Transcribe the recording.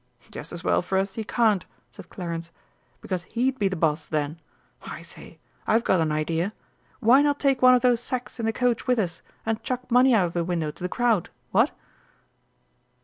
"Just as well for us he can't," said Clarence, "because he'd be the Boss, then! I say, I've got an idea. Why not take one of those sacks in the coach with us and chuck money out of the window to the crowd, what?"